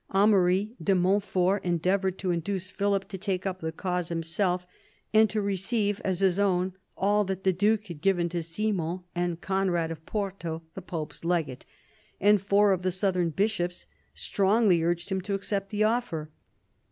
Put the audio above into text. Amaury de Montfort endeavoured to induce Philip to take up the cause himself, and to receive as his own all that the Church had given to Simon ; and Conrad of Porto, the pope's legate, and four of the southern bishops strongly urged him to accept the offer.